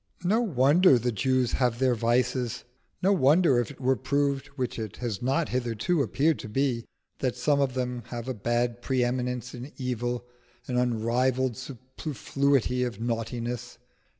No wonder the Jews have their vices: no wonder if it were proved (which it has not hitherto appeared to be) that some of them have a bad pre eminence in evil, an unrivalled superfluity of naughtiness.